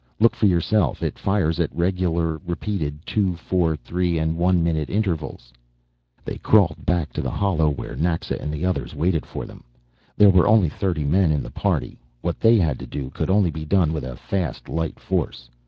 Look for yourself. It fires at regularly repeated two, four, three and one minute intervals." They crawled back to the hollow where Naxa and the others waited for them. There were only thirty men in the party. What they had to do could only be done with a fast, light force.